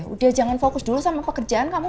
udah jangan fokus dulu sama pekerjaan kamu